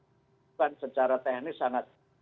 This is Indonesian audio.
itu kan secara teknis sangat